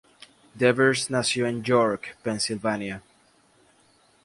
Devers nació en York, Pensilvania.